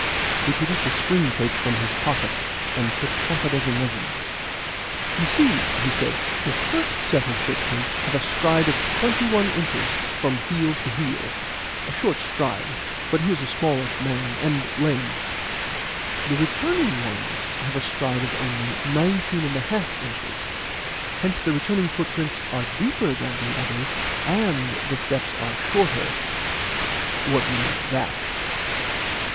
He produced a spring tape from his pocket, and took half a dozen measurements. "You see," he said, "the first set of footprints have a stride of twenty one inches from heel to heel a short stride; but he is a smallish man, and lame; the returning ones have a stride of only nineteen and a half inches; hence the returning footprints are deeper than the others, and the steps are shorter. What do you make of that?"